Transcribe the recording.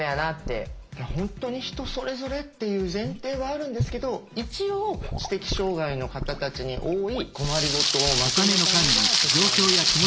本当に人それぞれっていう前提はあるんですけど一応知的障害の方たちに多い困り事をまとめたのがこちらになるんですね。